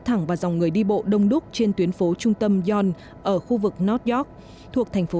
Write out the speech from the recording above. thẳng vào dòng người đi bộ đông đúc trên tuyến phố trung tâm yon ở khu vực north gióc thuộc thành phố